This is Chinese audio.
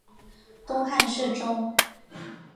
东汉侍中。